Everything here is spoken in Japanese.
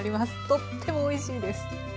とってもおいしいです。